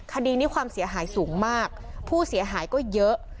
คดีนี้ความเสียหายสูงมากผู้เสียหายก็เยอะ